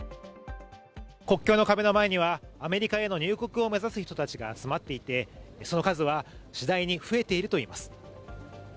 国境の壁の前にはアメリカへの入国を目指す人たちが集まっていて、その数は次第に増えているといいます。